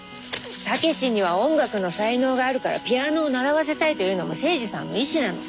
武志には音楽の才能があるからピアノを習わせたいというのも精二さんの遺志なの。